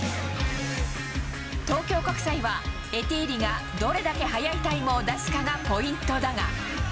東京国際は、エティーリがどれだけ速いタイムを出すかがポイントだが。